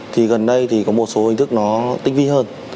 thì gần đây thì có một số hình thức nó tinh vi hơn